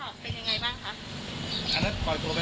อันนั้นปล่อยตัวไปแล้วปล่อยตัวไปแล้วครับครับเจนไม่เป็นไร